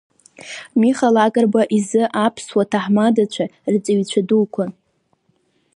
Миха Лакрба изы аԥсуа ҭаҳмадцәа рҵаҩцәа дуқәан.